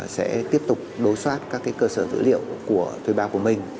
sẽ tiếp tục đối soát các cái cơ sở dữ liệu của thuê bao của mình